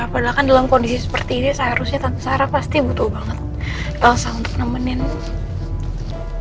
padahal kan dalam kondisi seperti ini seharusnya tanpa sarah pasti butuh banget langsung untuk nemenin